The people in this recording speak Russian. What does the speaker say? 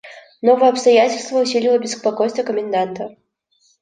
Новое обстоятельство усилило беспокойство коменданта.